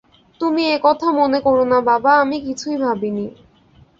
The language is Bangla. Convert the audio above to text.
তুমি এ কথা মনে কোরো না বাবা, আমি কিছুই ভাবি নি।